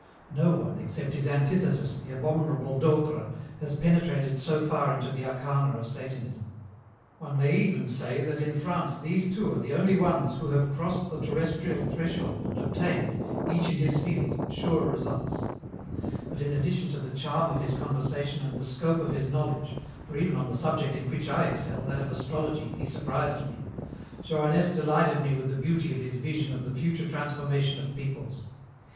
No one, except his antithesis, the abominable Docre, has penetrated so far into the arcana of Satanism. One may even say that in France these two are the only ones who have crossed the terrestrial threshold and obtained, each in his field, sure results. But in addition to the charm of his conversation and the scope of his knowledge for even on the subject in which I excel, that of astrology, he surprised me Johannès delighted me with the beauty of his vision of the future transformation of peoples.